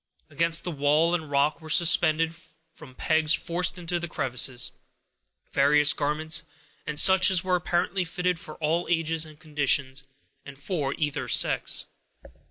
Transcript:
Against the walls and rock were suspended, from pegs forced into the crevices, various garments, and such as were apparently fitted for all ages and conditions, and for either sex.